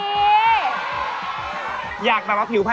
ต้องทำเป็นสามกษัตริย์นะ